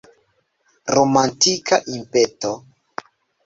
Romantika impeto.